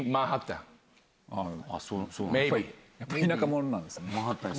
やっぱ田舎者なんですね。